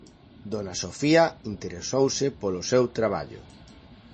Dona Sofía interesouse polo seu traballo.